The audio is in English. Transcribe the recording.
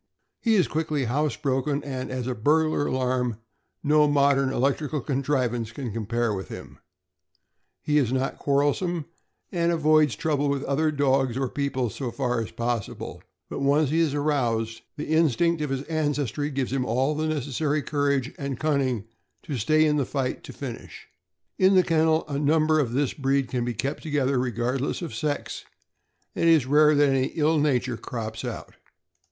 He is quickly house broken, and as a burglar alarm no modern electrical contrivance can compare with him. He is not quarrelsome, and avoids trouble with other dogs or people so far as possi THE BLACK AND TAN TERRIER. 491 ble; but once he is aroused, the instinct of his ancestry gives him all the necessary courage and cunning to stay in the fight to the finish. In the kennel, a number of this breed can be kept together regardless of sex, and it is rare that any ill nature crops out.